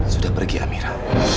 sudah pergi amira